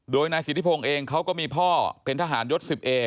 โดยนายสิทธิพงศ์เองเขาก็มีพ่อเป็นทหารยศ๑๑